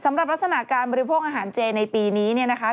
สำหรับลักษณะการบริโภคอาหารเจในปีนี้เนี่ยนะคะ